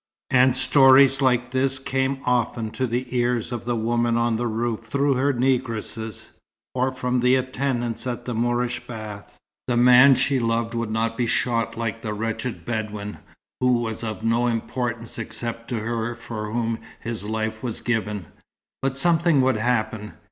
And stories like this came often to the ears of the woman on the roof through her negresses, or from the attendants at the Moorish bath. The man she loved would not be shot like the wretched Bedouin, who was of no importance except to her for whom his life was given; but something would happen.